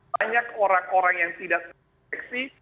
banyak orang orang yang tidak terinfeksi